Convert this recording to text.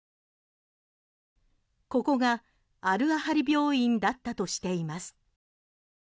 ここがアル・アハリ病院だったとしています。